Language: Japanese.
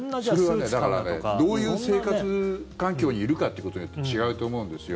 それはどういう生活環境にいるかってことによって違うと思うんですよ。